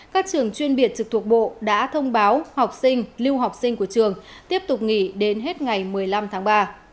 các trường chuyên biệt trực thuộc bộ đã thông báo học sinh lưu học sinh của trường tiếp tục nghỉ đến hết ngày một mươi năm tháng ba